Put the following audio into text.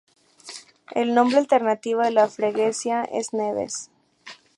El nombre alternativo de la freguesia es Neves.